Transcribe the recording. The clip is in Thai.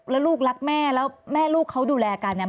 และลูกรักแม่และแม่ลูกก็ดูแลกัน